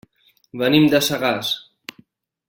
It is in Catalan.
Venim de Sagàs.